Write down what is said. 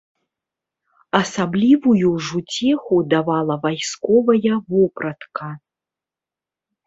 Асаблівую ж уцеху давала вайсковая вопратка.